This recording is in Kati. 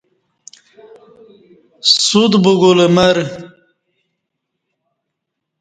سوت بگول مر